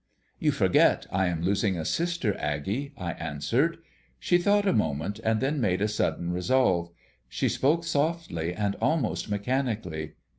"You forget I am losing a sister, Aggie," I answered. She thought a moment, and then made a sudden resolve. She spoke softly and almost mechanically.